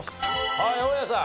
はい大家さん。